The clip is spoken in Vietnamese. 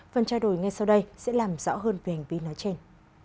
phần trai đổi ngay sau đây sẽ làm rõ hơn về hành vi nói trên